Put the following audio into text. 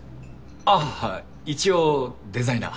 あ一応デザイナー。